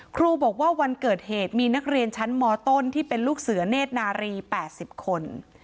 ครูบอกว่าวันเกิดเหตุมีนักเรียนชั้นมต้นที่เป็นลูกเสือเนธนารี๘๐คน